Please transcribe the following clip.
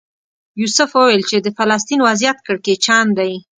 یوسف وویل چې د فلسطین وضعیت کړکېچن دی.